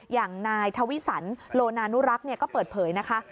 อย่างนายทวิสันโลนานุรักษ์ก็เปิดเผยนะคะ